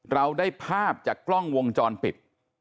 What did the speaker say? เราได้ภาพจากกล้องวงจรปิด